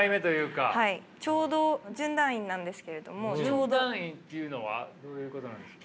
準団員っていうのはどういうことなんですか？